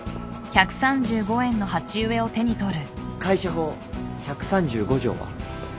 会社法１３５条は？